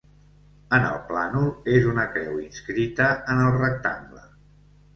En el plànol, és una creu inscrita en el rectangle.